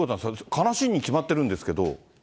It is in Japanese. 悲しいに決まってるんですけど。